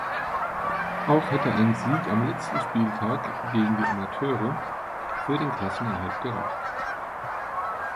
Auch hätte ein Sieg am letzten Spieltag gegen die Amateure für den Klassenerhalt gereicht.